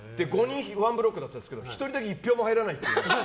ワンブロックだったんですけど１人だけ１票も入らないっていう。